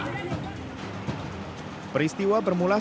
peristiwa bermula di tangerang selatan banten